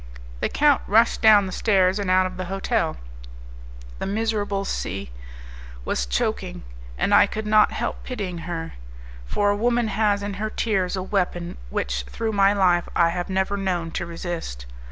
The count rushed down the stairs and out of the hotel. The miserable C was choking, and I could not help pitying her; for a woman has in her tears a weapon which through my life I have never known to resist.